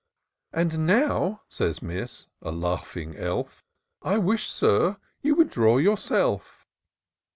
" And now," says Miss, (a laughing elf) " I wish. Sir, you would draw yourself."